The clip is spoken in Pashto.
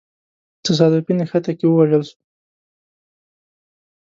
تصادفي نښته کي ووژل سو.